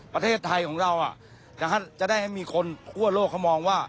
ประเทศไทยของเราจะได้ให้มีคนทั่วโลกเขามองว่า